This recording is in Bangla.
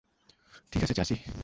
ঠিক আছে চাচী।